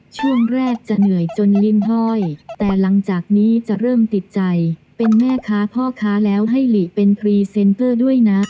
ช่วงแรกจะเหนื่อยจนลิ้นห้อยแต่หลังจากนี้จะเริ่มติดใจเป็นแม่ค้าพ่อค้าแล้วให้หลีเป็นพรีเซนเตอร์ด้วยนะ